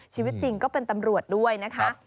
ชีวิตจริงก็เป็นตำรวจด้วยนะคะ